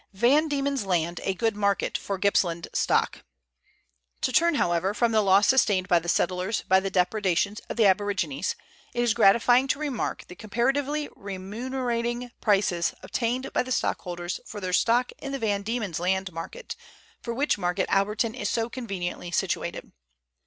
VAN DIEMEN'S LAND A GOOD MARKET FOR GIPPSLAND STOCK. To turn, however, from the loss sustained by the settlers by the depredations of the aborigines, it is gratifying to remark the comparatively remunerating prices obtained by the stock holders for their stock in the Van Diemen's Land market, for which market Alberton is so conveniently situated.